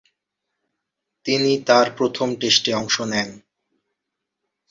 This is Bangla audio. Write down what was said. তিনি তার প্রথম টেস্টে অংশ নেন।